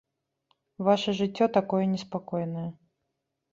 Ваша жыццё такое неспакойнае.